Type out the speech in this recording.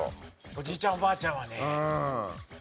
おじいちゃんおばあちゃんはね。